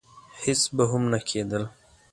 هېڅ به هم نه کېدل.